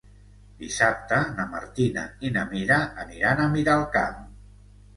Dissabte na Martina i na Mira aniran a Miralcamp.